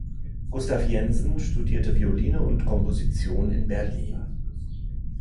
Gustav Jensen studierte Violine und Komposition in Berlin.